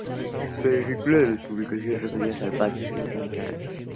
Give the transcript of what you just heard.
Pero en ninguna de las publicaciones referidas al Parque, se los mencionan.